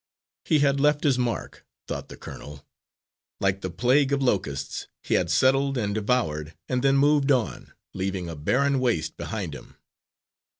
He had left his mark, thought the colonel. Like the plague of locusts, he had settled and devoured and then moved on, leaving a barren waste behind him.